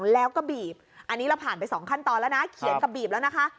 แล้วก็บีบอันนี้เราผ่านไปสองขั้นตอนแล้วนะเขียนกับบีบแล้วนะคะ